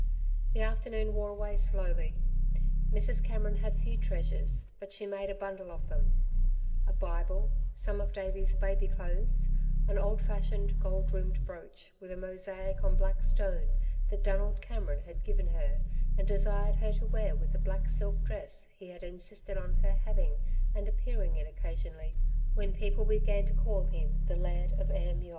The afternoon wore away slowly. Mrs. Cameron had few treasures; but she made a bundle of them a Bible, some of Davey's baby clothes, an old fashioned gold rimmed brooch with a mosaic on black stone that Donald Cameron had given her and desired her to wear with the black silk dress he had insisted on her having and appearing in, occasionally, when people began to call him the Laird of Ayrmuir.